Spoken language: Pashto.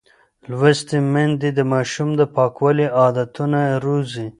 لوستې میندې د ماشوم د پاکوالي عادتونه روزي.